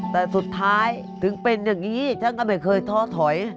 แต่สุดท้ายถึงเป็นอย่างนี้ฉันก็ไม่เคยท้อถอย